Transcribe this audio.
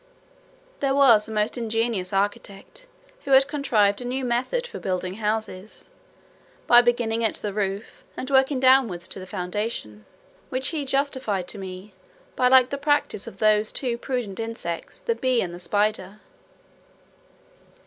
There was a most ingenious architect, who had contrived a new method for building houses, by beginning at the roof, and working downward to the foundation; which he justified to me, by the like practice of those two prudent insects, the bee and the spider.